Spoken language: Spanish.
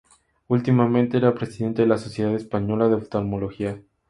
Últimamente era presidente de la Sociedad Española de Oftalmología.